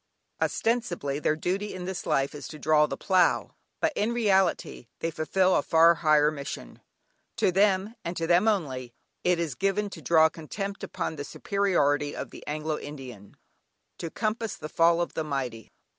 Ostensibly, their duty in this life is to draw the plough, but in reality they fulfil a far higher mission. To them, and to them only, it is given to draw contempt upon the superiority of the Anglo Indian: to compass the fall of the mighty.